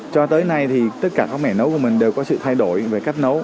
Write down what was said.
cho tới nay thì tất cả các mẻ nấu của mình đều có sự thay đổi về cách nấu